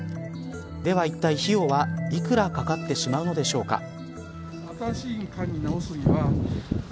ではいったい費用は、いくらかかってしまうのでしょうか。